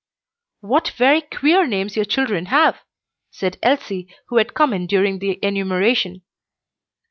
"What very queer names your children have!" said Elsie, who had come in during the enumeration.